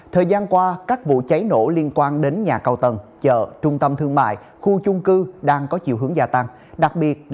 thời gian qua các vụ cháy nổ liên quan đến nhà cao tầng chợ trung tâm thương mại